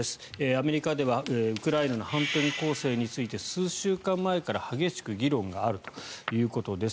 アメリカではウクライナの反転攻勢について数週間前から激しく議論があるということです。